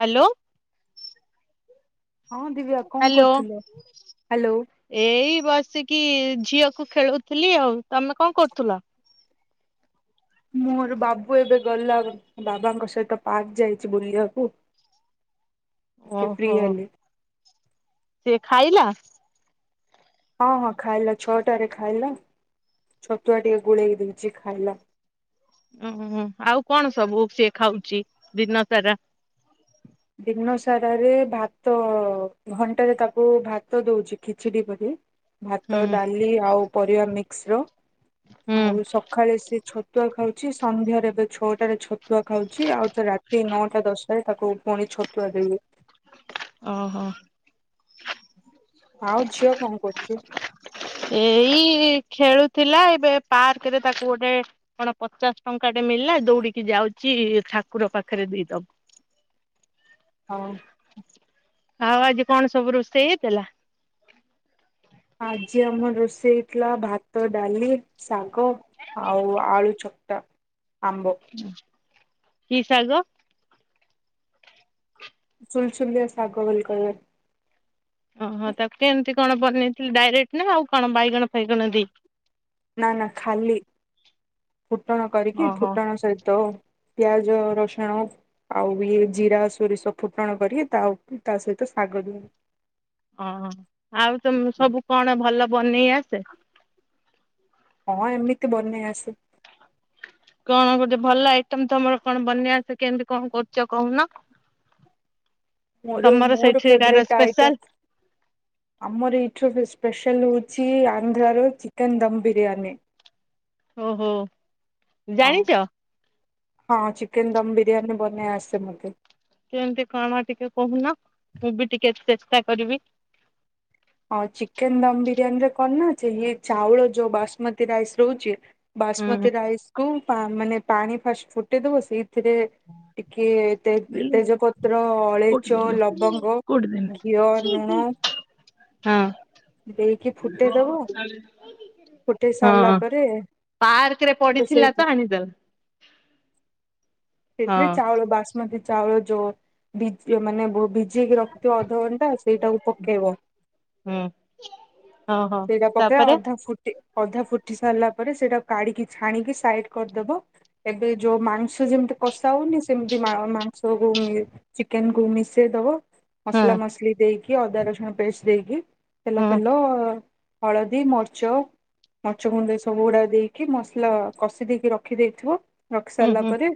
Hello. ହଁ ଦିବ୍ୟା କଣ hello କରୁଥିଲ? ହ୍ୟାଲୋ ଏଇ ବସିକି ଝିଅକୁ ଖେଳୁଥିଲି ଆଉ ତମେ କଣ କରୁଥିଲ। ମୋର ବାବୁ ଏବେ ଗଲା ବାବାଙ୍କ ସହିତ ପାର୍କ ଯାଇଛି ବୁଲିବାକୁ ଟିକେ ଫ୍ରି ହେଲି। ସେଏ ଖାଇଲା। ହଁ ହଁ ଖାଇଲା ଛଅଟାରେ ଖାଇଲା ଛତୁଆ ଟିକେ ଗୋଳେଇକି ଦେଇଛି ଖାଇଲା। ଓ ଆଉ କଣ ସବୁ ସିଏ ଖାଉଛି ଦିନ ସାରା। ଦିନ ସାରାରେ ଭାତ ଘଣ୍ଟାରେ ତାକୁ ଭାତ ଦଉଛି ଖିଚଡି କରି ହୁଁ ଭାତ ଡାଲି ଆଉ ପରିବା ଏକ୍ସ୍ରୋ ହୁଁ। ଆଉ ସକାଳେ ସେ ଛତୁ ଛତୁଆ ଖାଉଛି ସନ୍ଧ୍ୟାରେ ଏବେ ଛଅଟାରେ ଛତୁଆ ଖାଉଛି ଆଉ ତା ରାତି ନଅଟା ଦଶଟାରେ ତାକୁ ପୁଣି ଛତୁଆ ଦେଇ ଓହୋ। ଆଉ ଝିଅ କଣ କରୁଛି? ଏଇ ଖେଳୁଥିଲା ଏବେ ପାର୍କରେ ତାକୁ ଗୋଟେ କଣ ପଚାଶ ଟଙ୍କା ଟେ ମିଳିଲା ଦୌଡିକି ଯାଉଛି ଠାକୁର ପାଖରେ ଦେଇଦବ। ହଁ। ଆଉ ଆଜି କଣ ସବୁ ରୋଷେଇ ହେଇଥିଲା? ଆଜି ଆମର ରୋଷେଇ ହେଇଥିଲା ଭାତ, ଡାଲି, ଶା ଆଉ ଆଳୁ ଚ ଟା। ହୁଁ। କି ଶାଗ? ସୁଲସଲିଆ ଶାଗ ବୋଲି କହିଆକୁ ଓହୋ ତାକୁ କେନ୍ତି କଣ ବନେଇଥିଲି ଡାଇରେକ୍ଟ ନା ଆଉ କଣ ବାଇଗଣ ଫାଇଗଣ ବି। ନା ନା ଖାଲି। ଫୁଟଣ କରିକି ଓହୋ ଫୁଟଣ ସହିତ ପିଆଜ ରସୁଣ ଆଉ ଇଏ ଜିରା ସୋରିଷ ଫୁଟଣ କରି ତା ତା ସହିତ ଶାଗ ଦି ଓ ଆଉ ତମ ସବୁ କଣ ଭଲ ବନେଇ ସେ ହଁ ଏମିତି ବନେଇ ଆସେ। କଣ ଗୋଟେ ଭଲ ଆଇଟମ ତମର କଣ ବନେଇ ଆସେ କେମିତି କଣ କରୁଛ କହୁନ? ମୋର ତମର ମୋର ସେଇଠିକାର ଫବ୍ରାଇଟ ଆଇଟମ, ସ୍ପେଶାଲ ଆମର ଏଠି ସ୍ପେସିଆଲ ହେଉଛି ଆନ୍ଧ୍ରାର ଚିକେନ୍ ଦମ୍ ବିରିୟାନୀ। ଓହୋ। ହଁ ଜାଣିଛ। ହଁ ଚିକେନ ଦମ ବିରିୟାନୀ ବନେଇ ଆସେ ମତେ। କେମିତି କଣ ଟିକେ କହୁନ, ମୁଁ ବି ଟିକେ ଚେଷ୍ଟା କରିବି। ଆଉ ଚିକେନ ଦମ ବିରିୟାନୀ ରେ କଣ ନା ଅଛି ଇ ଚାଉଳ ଯୋଉ ବସୁମତୀ ରାଇସ୍ ରହୁଛି ହୁଁ। ବାସମତୀ ରାଇସ୍ କୁ ପା ମାନେ ପାଣି ଫାଷ୍ଟ ଫୁଟେ ଦବ ସେ ଏଥିରେ ଟିକିଏ ଦେଲୁ ତେଜପତ୍ର, କୋଉଠି ଅଳେଇଚ, ଦେଲୁ ଲବଙ୍ଗ, କୋଉଠି ଦେଲୁ? ଘିଅ, ଲୁଣ ହଁ ଦେଇକି ଫୁଟେଇଦବ, ଫୁଟେଇ ସାରିଲା ହଁ ପରେ ପାର୍କ ରେ ସେ ପଡିଥିଲା ତ ସେଇଥୁ ଆଣିଦେଲ ହଁ ସେଥିରେ ଚାଉଳ ବାସୁମତି ଚାଉଳ ଯୋ ମାନ ଭି ଭି ଯିଏକି ରଖିଥିବ ଅଧଘଣ୍ଟା ସେଇଟାକୁ ପକେଇବ। ହୁଁ। ଓହୋ ସେଇଟା ପକେଇବା ତାପରେ ଅଧା ଫୁଟି ଅଧା ଫୁଟି ସାରିଲା ପରେ ସେଇଟା କାଢିକି ଛାଣିକି ସାଇଡ କରିଦବ, ଏବେ ଯୋଉ ମାଂସ ଯେମିତି କଷା ହଉନି, ସେମତି ମା ମାଂସକୁ ଚିକେନ କୁ ମିଶେଇଦବ ହଁ ମସଲା ମସଲି ଦେଇକି କି ଅଦା ରସୁଣ ପେଷ୍ଟ ଦେଇକି ତେଲ ହଁ ଫେଲ ହଳଦୀ ମରିଚ ମଚ ଗୁଣ୍ଡ ଏଇ ସବୁଗୁଡା ଦେଇକି ମସଲା କଷି ଦେଇକି ରଖିଦେଇଥିବ। ହୁଁ ରଖିସାରିଲା ହୁଁ ପରେ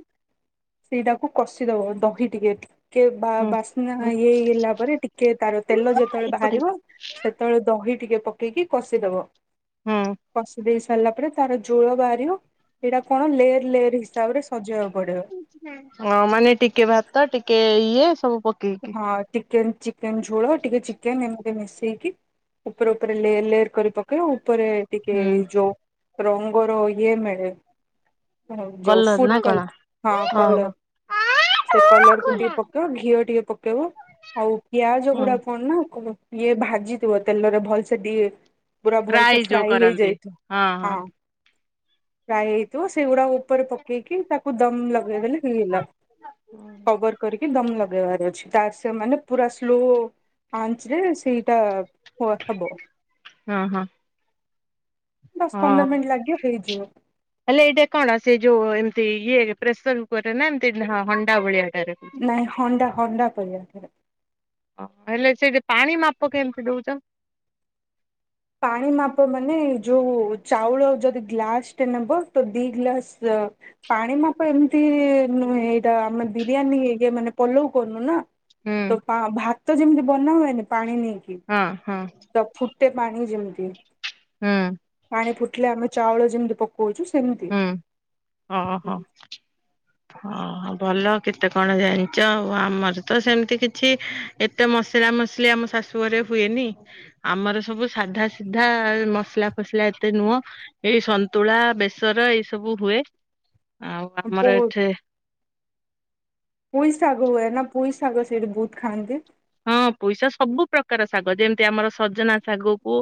ସେଇଟାକୁ କଷିଦବ ଦହି ଟିକେ ଟିକେ ବା ହୁଁ। ବାସ୍ନା ଇଏ ହେଲା ପରେ ଟିକେ ତାର ତେଲ ଯେତେବେଳେ ଏପଟେ ବାହାରିବ ଏପଟେ ସେତେବେଳେ ଦହି ଟିକେ ପକେଇକି କଷିଦବ। କଷି ଦେଇ ସା ରିଲା ପରେ ତାର ଝୋଳ ବାହାରିବ ଏଇଟା କଣ ଲେଏରେ ଲେଏରେ ହିସାବରେ ସଜା ହବ। ହଁ ମାନେ ଟିକେ ଭାତ ଟିକେ ଏଇ ସବୁ ପକେଇକି ହଁ ଚିକେନ୍। ଚିକେନ୍ ଝୋଳ ଟିକେ ଚିକେନ୍ ଏମିତି ମିଶେଇକି ଉପରେ ଉପରେ ଲେୟର ଲେୟର କରି ପକେଇବୁ। ଉପରେ ଟିକେ ହୁଁ ଯୋ ରଙ୍ଗର ଇଏ ମେ ହ ଯୋଉ କଲର ନା ଫୁଟ କଣ କଲ୍ ହଁ କଲର ଓହୋ। ସେ କଲରକୁ ଟିକେ ପକେଇବ ଘିଅ ଟିକେ ପକେଇବ ଆଉ ପିଆଜ ହୁଁ ଗୁଡା କଣନା ଇଏ ଭାଜିଥିବ ତେଲରେ ଭଲସେ ଟିକେ। ଫ୍ରାଇ ଯୋଉ କରନ୍ତି ହଁ ହଁ। ଫ୍ରାଇ ହେଇଥିବ ସେଗୁଡା ଉପରେ ପକେଇ କି ତା କୁଦମ ଲଗେଇ ଦେଲେ ହେଇହେଲା କଭର କରି କିଦମ ଲଗେଇବାର ଅଛି। ତାର ସେ ମାନେ ପୁରା ସ୍ଲୋ ଆଞ୍ଚ୍ ରେ ସେଇଟା ହୁଏ ହବ। ହଁ ହଁ ଦଶ ପନ୍ଦର ହଁ। ମିନିଟ୍ ଲାଗିବ ହେଇଯିବ। ହେଲେ ଏଇଟା କଣ ସେ ଯୋଉ ଏମିତି ଇଏ ପ୍ରେସର କୁକରରେ ନା ଏମତି ହଣ୍ଡା ଭଳିଆ। ନାଇଁ ହଣ୍ଡା ହଣ୍ଡା କରିବା ଥରେ। ହେଲେ ସେ ପାଣି ମା ତ କେମିତି ଦୋଉଚ? ପାଣି ମାପ ମାନେ ଯୋଉ ଚାଉଳ ଯଦି ଗ୍ଲାସଟେ ନେବ ତ ଦିଇ ଗ୍ଲାସ ପାଣି ମାପ ଏମିତି ନୁହେଁ ଏଇଟା ଆମେ ବିରିୟାନୀଇ ଇଏ ମାନେ ପଲୋଉ କରନୁ ନା। ହୁଁ ତ ପା ଭା ତ ଯେମିତି ବନା ହୁଏନି ପାଣି ନି ହଁ ହଁ। ପାଣି ଯେମିତି। ହୁଁ। ପାଣି ଫୁଟିଲେ ଆମ ଚାଉଳ ଯେମିତି ପକ ହୁଁ ଓ ହୋ। ହଁ ଭଲ କେତେ କଣ ଜାଣିଛ ଆଉ ଆମର ତ ସେମିତି କିଛି ଏତେ ମସଲା ମସଲି ଆମ ଶାଶୁ ଘରେ ହୁଏନି ଆମର ସବୁ ସାଧା ସିଧା ମସଲା ଫସଲା ଏତେ ନୁହଁ ଏଇ ସନ୍ତୁଳା ବେସର ଏଇ ସବୁ ହୁଏ। ଆପ ଛ ପୁଇସ [unintelligible] ନା ପୁଇସ ଶାଗ ସେଇଠି ଦି ଖାଆନ୍ତି। ହଁ ପଇସା ସବୁ ପ୍ରକାର ଶାଗ ଯେମିତି ଆମର ସଜନା ଶାଗକୁ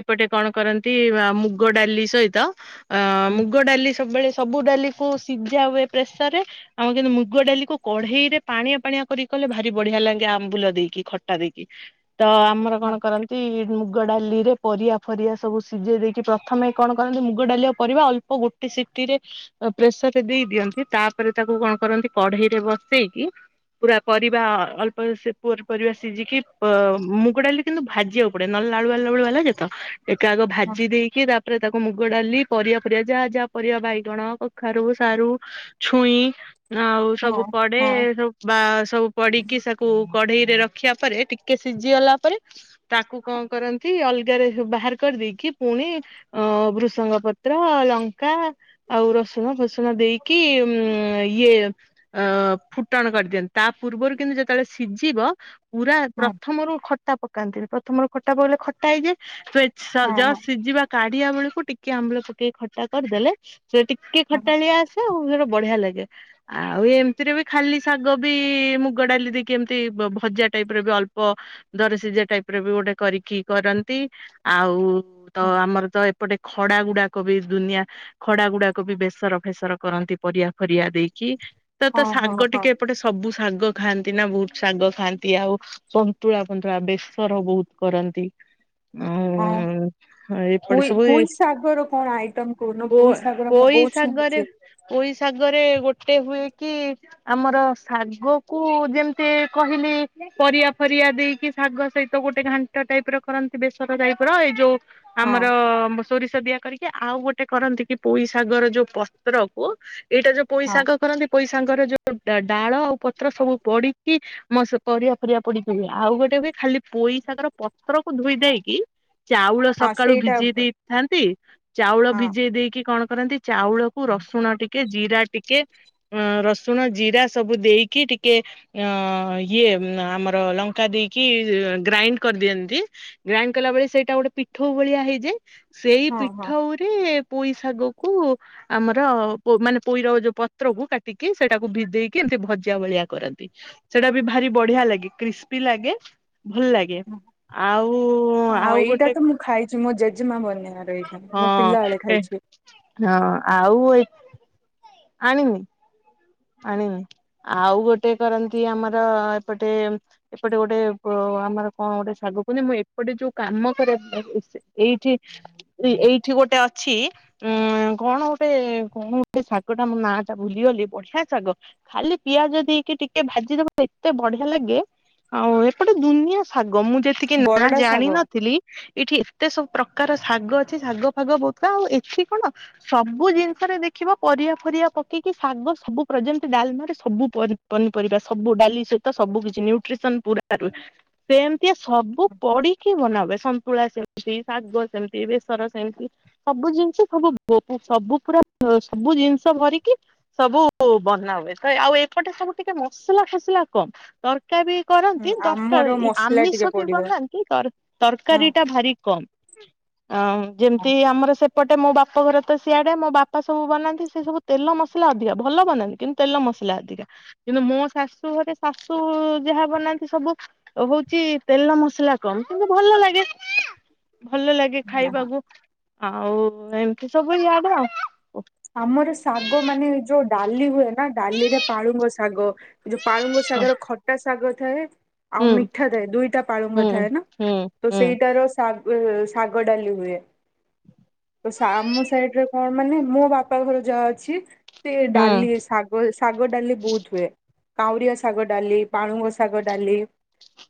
ଏପଟେ କଣ କରନ୍ତି ମୁଗ ଡାଲି ସହିତ ଅ ମୁଗ ଡାଲି ସବୁବେଳେ ସବୁ ଡାଲି ସହ ସିଝା ହୁଏ ପ୍ରେସର ରେ ଆମର କିନ୍ତୁ ମୁଗ ଡାଲିକୁ କଢେଇ ରେ ପାଣିଆ ପାଣିଆ କରି କଲେ ଭାରି ବଢିଆ ଲାଗେ ଆମ୍ବୁଲ ଦେଇକି ଖଟଟା ଦେଇକି। ତ ଆମର କଣ କରନ୍ତି? ମୁଗ ଡାଲି ରେ ପରିବା ଫରିିବା ସବୁ ସିଝେଇ ଦେଇକି ପ୍ରଥମେ କଣ କରନ୍ତି ମୁଗ ଡାଲି ପରିବା ଅଳ୍ପ ଗୋଟେ ସିଟିରେ ପ୍ରେସର ରେ ଦେଇଦିଅନ୍ତି ତାପରେ ତାକୁ କଣ କରନ୍ତି କଢେଇରେ ବସେଇକି ପୁରା ପରିବା ଅଳ୍ପ ସେ ପୁଅର ପରିବା ସିଝିକି ମ ମୁଗ ଡାଲି କିନ୍ତୁ ଭାଜିକି ପଡେ ନହଲେ ଲାଳୁ ବା ଲାଳୁ ବାଲା ତ ଏଇଟା ଆଗ ହଁ ଭାଜି ଦେଇକି ତାପରେ ତାକୁ ମୁଗ ମୁଗ ଡାଲି ପରିବା ଫରିବା ଯାହା ଯାହା ପରିବା ବାଇଗଣ କଖାରୁ ସାରୁ ଛୁଇଁ ଆଉ ସବୁ ହଁ ପଡେ ହଁ ସବୁ ବା ସବୁ ପଢିକି ତାକୁ କଢେଇରେ ରଖିବା ପରେ ଟିକେ ସିଝିଗଲା ପରେ ତାକୁ କଣ କରନ୍ତି ଅଲଗାରେ ବାହାର କରିଦେଇକି ପୁଣି ଅ ଭୃଷଙ୍ଗ ପତ୍ର ଲଙ୍କା ଆଉ ରସୁଣ ଫସୁଣ ଦେଇକି ଉ ଇଏ ଫୁଟଣ କରିଦିଅନ୍ତି ତା ପୂର୍ବରୁ କିନ୍ତୁ ଯେତେବେଳେ ସିଝିବ। ପୁରା ହଁ ପ୍ରଥମରୁ ଖ ଖଟା ପକାନ୍ତିି ପ୍ରଥମରୁ ଖଟା ପକେଇଲେ ଖଟା ହେଇଯି ହଁ ଯଉ ହଁ ସିଝିବା କାଢିବା ବେଳକୁ ଟିକେ ଆମ୍ୱୁଲ ପକେଇକ ଖଟା କରିଦେଲେ ସେ ଟିକେ ହଁ ଖଟାଳିଆ ଆସେ ଆଉ ବଢିଆ ଲାଗେ ଆଉ ଏମିତିରେ ବି ଖାଲି ଶାଗ ବି ମୁଗ ଡାଲି ଦେଇକି କେମିତି ଭଜା ଟାଇପରେ ବି ଅପ୍ଳ ଦରସିଝା ଟାଇପ ରେ ବି ଗୋଟେ କରିକି କରନ୍ତି ଆଉ ତ ଆମର ତ ଏ ପଟେ ଖଡା ଗୁଡାକ ବି ଦୁନିଆ ଖଡା ଗୁଡାକ ବି ବେସର ଫେସର କରନ୍ତି ପରିବା ଫରିବା ଦେଇକି ତ ତ ହଁ ହଁ ଶାଗ ହଁ ଟିକେ ଏପଟେ ସବୁ ଶାଗ ଖାଆନ୍ତି। ଏଇଟି ନା ବହୁତ ଶାଗ ଖାଆନ୍ତି ଆଉ ସନ୍ତୁଳା ଫନ୍ତୁଳା ବେସର ବହୁତ କରନ୍ତି। ହଁ ହ ଏପଟେ ପୋଇ ସବୁ ଏ ପୋଇ ଶାଗର କଣ ଆଇଟମ କହୁନ ପୋଇ ଶାଗର ମୁଁ ପୋଇ ବହୁତ ଶାଗରେ ଶୁଣିଛି ପୋଇ ଶାଗରେ ଗୋଟେ ଗୋତେ ହୁଏ କି ଆମର ଶାଗ କ ଯେମିତି କହିଲି ପରିବା ଫରିଆ ଦେଇକି ଶାଗ ସହିତ ଗୋଟେ ଘାଣ୍ଟ ଟାଇପ ର କରନ୍ତି ବେସର ଟାଇପ ର ଏଇ ଯୋଉ? ହଁ ଆମର ସୋରିଷ ଦିଆ କରିକି ଆଉ ଗୋଟେ କରନ୍ତି କି ପୋଇ ସାଗର ଯୋଉ ପତ୍ରକୁ ଏଇଟା ଯୋଉ ପଇସା ହଁ କ କରନ୍ତି ପଇସା ସାଙ୍ଗର ଯୋଉ ଡାଳ ଆଉ ପତ୍ର ସବୁ ପଡିକି ମ ପର ପରିବା ପଡିକି ହୁଏ ଆଉ ଗୋଟେ ହୁଏ ଖାଲି ପୋଇଶାଗର ପତ୍ରକୁ ଧୋଇ ଦେଇକି ଚାଉଳ ହଁ ସକାଳୁ ସେଇଟା ଭିଜେଇ ଦେଇଥାନ୍ତି। ଚାଉଳ ହଁ ଭିଜେଇ ଦେଇକି କଣ? କରନ୍ତି ଚାଉଳକୁ ରସୁଣ ଟିକେ ଜିରା ଟିକେ ଅ ରସୁଣ ଜିରା ସବୁ ଦେଇକି ଟିକେ ଟେ ଅ ଇଏ ଆମର ଲଙ୍କା ଦେଇକି ଗ୍ରାଇଣ୍ଡ କରିଦିଅନ୍ତି। ଗ୍ରାଇଣ୍ଡ କଲା ବଳେ ସେଇଟା ଗୋଟେ ପିଠ ଭଳିଆ ହେଇଯାଏ। ସେଇ ହଁ ହଁ ପିଠଉରେ ପୋଇ ଶାଗ କ ଆମର ମାନେ ପୋଇର ଯୋଉ ପତ୍ର କୁ କାଟିକି ସେଇଟାକୁ ଭ ଦେଇେଇକି ଏମିତି ଭଜା ଭଳିଆ। କରନ୍ତି ସେଟା ବି ଭାରି ବଢିଆ ଲାଗେ କ୍ରିସ୍ପି ଲାଗେ ଭଲ ଲାଗେ ଆଉ ଆଉ ଗୋଟେ ମା ବନ୍ୟ ହଁ ହଁ। ଆଉ ଏ ଆଣିନି ଆଣିନି ଆଉ ଗୋଟେ କରନ୍ତି ଆମର ଏପଟେ ଏପଟେ ଗୋଟେ ଆମର କଣ ଗୋଟେ ଶାଗ କୁହନି ମୁଁ ଏପଟେ ଯୋଉ କାମ କରେ ଏଇଠି ଏଇଠି ଗୋଟେ ଅଛି ଉଁ କଣ ଗୋଟେ କଣ ଗୋଟେ ଶାଗ ଟା ମୋ ନା ଟା ଭୁଲିଗଲି ବଢିଆ। ଶାଗ ଖାଲି ପିଆଜ ଦେଇକି ଟିକେ ଭାଜିଦବା ଏତେ ବଢିଆ ଲାଗେ ଆଉ ଏପଟେ ଦୁନିଆ ଶାଗ ମୁଁ ସେତିକି ନା ବରଡା ଶାଗ ଜାଣିନଥିଲି ଏଠି ଏତେ ସବୁ ପ୍ରକାର ଶାଗ ଅଛି ଶାଗ ଫାଗ ବହୁତ କ ଆଉ ଏଠି କଣ ସବୁ ଜିନିଷରେ ଦେଖିବ ପରିବା ଫରିିବା ପକେଇକି ଶାଗ ସବୁ। ଯେମିତି ଡାଲମା ସବୁ ପନ ପନିପରିବା ସବୁ ଡାଲି ସହିତ ସବୁ କିଛି ନ୍ୟୁଟ୍ରିସନ ପୁରା ରୁହ ସେମିତିଆ ସବୁ ପଡିକି ବନାବେ ସନ୍ତୁଳା ସେମତି ଶାଗ ସେମିତି ବେସର ସେମିତି ସବୁ ଜିନିଷ ସବୁ ସବୁ ପୁରା ସବୁ ଜିନିଷ ଭରିକି ସବୁ? ହ ବନା ହୁଏ ତ ଆଉ ଏପଟେ ସବୁ ଟିକେ ମସଲା ଫସିଲଲା କମ ତରକା ବି କରନ୍ତି ଆମର ତରକାରି ମସଲା ଟିକେ ଆମିଷ ବି ପଡିବ ବନାନ୍ତି ତରକାରୀ ଟା ଭାରି କମ୍ ଯେମିତି ଆମର ସେ ପଟେ ମୋ ବାପ ଘରେ ତ ସିଆଡେ ମୋ ବାପା ସବୁ ବନାନ୍ତି ସେ ସବୁ ତେଲ ମସଲା ଅଧିକ। ଭଲ ବନାନ୍ତି କିନ୍ତୁ ତେଲ ମସଲା ଅଧିକା କିନ୍ତୁ ମୋ ଶାଶୁ ଘରେ ଶାଶୁ ଯାହା ବନାନ୍ତି ସବୁ ହଉଛି ତେଲ ମସଲା କମ କିନ୍ତୁ ଭଲ ଲାଗେ। ଭଲ ଲାଗେ ହଁ ଖାଇବାକୁ। ଆଉ ଏମିତି ସବୁ ଇଆଡେ ଆଉ। ଆମର ଶାଗ ମାନେ ଯୋଉ ଡାଲି ହୁଏ। ନା ଡାଲିରେ ପାଳୁଙ୍ଗ ଶାଗ ଯୋଉ ପାଳୁଙ୍ଗ ଶାଗର ଖଟା ଶାଗ ଥାଏ। ଆଉ ମିଠା ଥାଏ ଦୁଇଟା ପାଳୁଙ୍ଗ ହୁଁ ଥାଏ ନା ହୁଁ ତ ହୁଁ ସେଇଟାର ଶାଗ ଉ ଶାଗ ଡାଲି ହୁଏ। ତ ଆମ ସାଇଡରେ କଣ ମାନେ ମୋ ବା ବାପା ଘର ଯାହା ଅଛି ସେ ହୁଁ ଡାଲି ଶାଗ ଶାଗ ଡାଲି ବୋହୁତ ହୁଏ କାଉରିଆ ଶାଗ ଡାଲି, ପାଳୁଙ୍ଗ ଶାଗ ଡାଲି,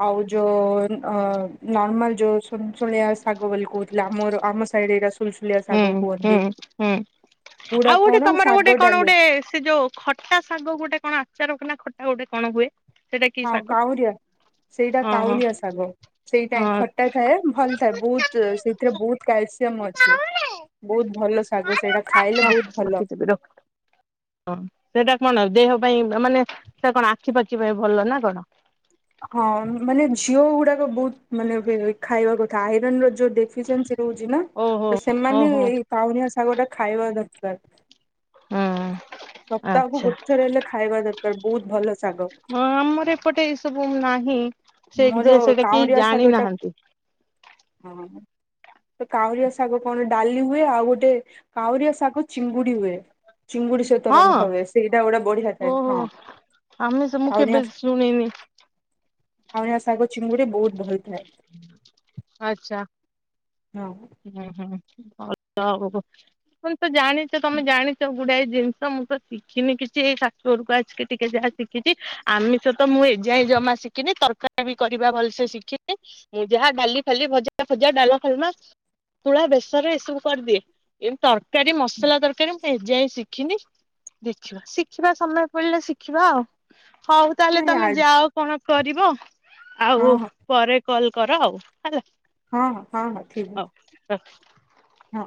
ଆଉ ଯଅ ଅ ନର୍ମାଲ ଯୋଉ ଶୁନଶୁନିଆ ଶାଗ ବୋଲି କୋହୁଥିଲେ ଆମର ଆମ ସାହିରେ ଏଇରା ସବ ହୁଁ ହୁଁ ହୁଁ। ଗୁଡା ଆଉ ଗୋଟେ କଣ ତମର ଶାଗ ଗୋଟେ କଣ ଡାଲି ଗୋଟେ ସେ ଯୋଉ ଖଟା ଶାଗକୁ ଗୋଟେ କଣ ଆଚାର କେ ଖଟା ଗୋଟେ କଣ ହୁଏ? ସେଇଟା କି ହଁ ଶାଗ କାଉଁରିଆ ସେଇଟା ହଁ ହଁ କାଉଁରିଆ ଶାଗ ସେଇଟା ହିଁ ହଁ ଖଟାଥାଏ ଭଲଥାଏ ବୋହୁତ ସେଇଥିରେ ବୋହୁତ କ୍ୟାଲସିୟମ ଅ ଛି ବୋ ହଁ ରଖିଥିବି ରଖ ସେଇଟା କଣ ଦେହ ପାଇଁ ମାନେ ସେ କଣ ଆଖି ପାଖି ପାଇଁ ଭଲ ନା କଣ? ହଁ ମାନେ ରହୁଚି ନା ଓହୋ ତ ହଉ ସେମାନେ ହଉ। ସାତ ହୁଁ ସପ୍ତାହକୁ ଆଚ୍ଛା ଗୋଟେ ଥର ହେଲେ ଖାଇବା ଦରକାର ବୋହୁତ ଭଲ ଶାଗ। ହଁ ଆମର ଏପଟେ ଏଇ ସବୁ ନାହିଁ। ସେ ମୋର ଯେ ସେଇଟା କେହି କାଉଁରିଆ ଶାଗ ଟା ଜାଣିନାହାନ୍ତି। ହଁ ତ କାଉରିଆ ଶାଗ କଣ ଡାଲି ହୁଏ ଆଉ ଗୋଟେ କାଉରିଆ ଶାଗ ଚିଙ୍ଗୁଡି ହୁଏ। ଚିଙ୍ଗୁଡି ସହିତ ହଁ। ରନ୍ଧାହୁଏ ସେଇଟା ଗୋଟେ ବଢିଆ ଥାଏ ଓହୋ। ହଁ ଆମେ ସେ ମୁଁ କେବେ କାଉଁନିଆ ଶା ଶୁଣିନି। କାଉଁରିଆ ଶାଗ ଚିଙ୍ଗୁଡି ବୋହୁତ ଭଲ ଥାଏ। ହଁ ଉଁ ହୁଁ। ଭଲ ଆଉ। ତ ଜାଣିଚ ତମେ ଜାଣିଚ ଗୁଡାଏ ଜିନିଷ ମୁଁ ତ ଶିଖିନି କିଛି ଏଇ ଶାଶୁଘରକୁ ଆସିକି ଟିକେ ଯାହା ଶିଖିଛି ଆମିଷ ତ ମୁଁ ଏ ଯାଏଁ ଜମା ଶିକିନି ତରକାରୀ ବି କରିବା ଭଲ ଭଲସେ ଶିଖିନି ମୁଁ ଯାହା ଡାଲି ଫାଲି, ଭଜା ଫଜା, ଡାଲମା ଫାଲମା, ସନ୍ତୁଳା, ବେସର, ଏସବୁ କରିଦିଏ। ତରକାରୀ ମସଲା ତରକାରୀ ଏ ଯାଏଁ ଶିଖିନି ଦେଖିବା ଶିଖି ହୋଉ ତାହେଲେ ନାଇଁ ତମେ ଆଜି ଯାଅ କଣ କରିବ ହଁ ଆଉ। ପରେ କଲ କର ଆଉ ହେଲା। ହଁ ହଁ ହଁ ହଁ ଠିକ ଅଛି। ହଉ। ହଁ।